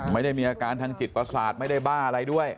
ไม่ได้มีอาการทางจิตประสาทไม่ได้บ้าอะไรด้วย